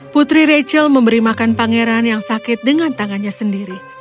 putri rachel memberi makan pangeran yang sakit dengan tangannya sendiri